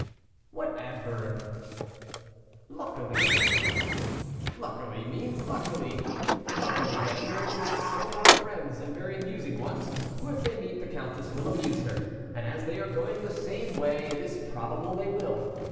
"What adverb?" "'Luckily.'" "'Luckily' means luckily. Luckily, then, there exist some of our friends, and very amusing ones, who, if they meet the countess, will amuse her, and as they are going the same way, it is probable they will.